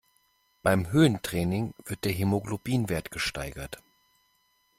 Beim Höhentraining wird der Hämoglobinwert gesteigert.